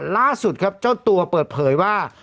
ล่าสุดครับเจ้าตัวเปิดเผยว่า